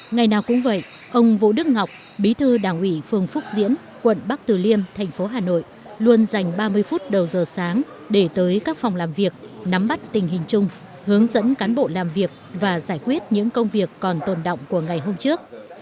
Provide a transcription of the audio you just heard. ngày nào cũng vậy ông vũ đức ngọc bí thư đảng ủy phường phúc diễn quận bắc từ liêm thành phố hà nội luôn dành ba mươi phút đầu giờ sáng để tới các phòng làm việc nắm bắt tình hình chung hướng dẫn cán bộ làm việc và giải quyết những công việc còn tồn động của ngày hôm trước